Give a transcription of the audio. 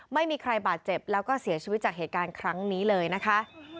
ไม่มีใครบาดเจ็บแล้วก็เสียชีวิตจากเหตุการณ์ครั้งนี้เลยนะคะ